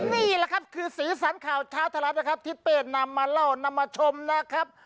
นี่แหละครับคือสีสันข่าวเช้าไทยรัฐนะครับที่เป้นำมาเล่านำมาชมนะครับ